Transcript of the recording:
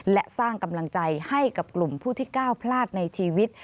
และสร้างกำลังใจให้กับกลุ่มผู้ที่ก้าวพลาดในชีวิต